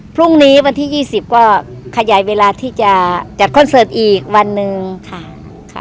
พรุ่งนี้วันที่๒๐ก็ขยายเวลาที่จะจัดคอนเสิร์ตอีกวันหนึ่งค่ะ